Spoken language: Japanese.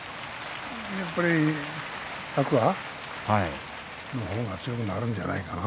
やはり天空海の方が強くなるんじゃないかな。